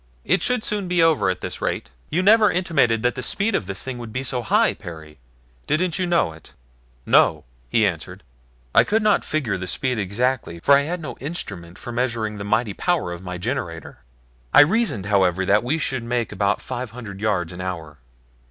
"It should soon be over at this rate. You never intimated that the speed of this thing would be so high, Perry. Didn't you know it?" "No," he answered. "I could not figure the speed exactly, for I had no instrument for measuring the mighty power of my generator. I reasoned, however, that we should make about five hundred yards an hour."